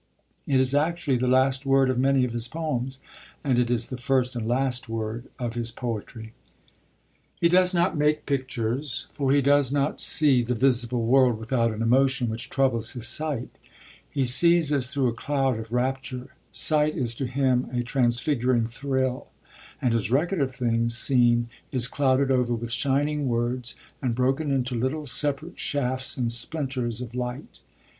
It is actually the last word of many of his poems, and it is the first and last word of his poetry. He does not make pictures, for he does not see the visible world without an emotion which troubles his sight. He sees as through a cloud of rapture. Sight is to him a transfiguring thrill, and his record of things seen is clouded over with shining words and broken into little separate shafts and splinters of light.